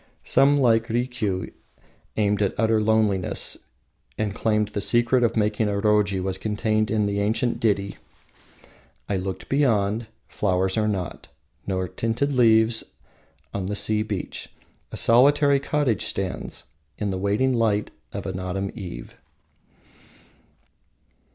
Some, like Rikiu, aimed at utter loneliness, and claimed the secret of making a roji was contained in the ancient ditty: "I look beyond; Flowers are not, Nor tinted leaves. On the sea beach A solitary cottage stands In the waning light Of an autumn eve."